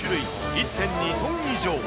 １．２トン以上。